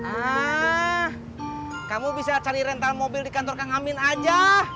ah kamu bisa cari rental mobil di kantor kang amin aja